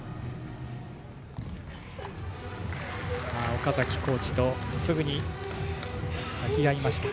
岡崎コーチとすぐに抱き合いました。